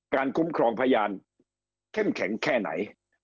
คุ้มครองพยานเข้มแข็งแค่ไหน